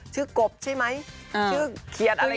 กบใช่ไหมชื่อเขียดอะไรอย่างนี้